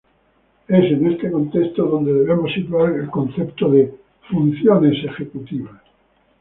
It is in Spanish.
Es en este contexto donde debemos situar el concepto de "funciones ejecutivas".